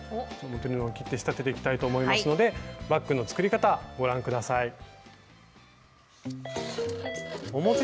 表布を切って仕立てていきたいと思いますのでバッグの作り方ご覧ください。